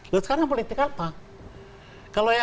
lalu sekarang politik apa